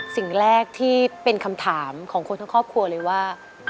สิ่งแรกที่เป็นคำถามของคนทั้งครอบครัวเลยว่า